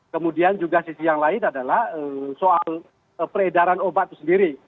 kemudian juga sisi yang lain adalah soal peredaran obat itu sendiri